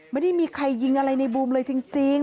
ไม่ได้มีใครยิงอะไรในบูมเลยจริง